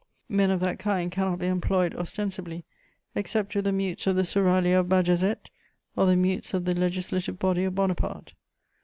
_ Men of that kind cannot be employed ostensibly, except with the mutes of the seraglio of Bajazet or the mutes of the Legislative Body of Bonaparte.